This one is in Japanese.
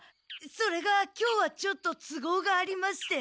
それが今日はちょっと都合がありまして。